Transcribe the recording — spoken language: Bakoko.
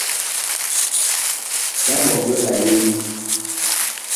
Ɓa ɓɔŋ yɔ la yee ?